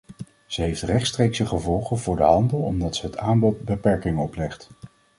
Ze heeft rechtstreekse gevolgen voor de handel omdat ze het aanbod beperkingen oplegt.